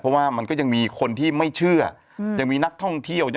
เพราะว่ามันก็ยังมีคนที่ไม่เชื่อยังมีนักท่องเที่ยว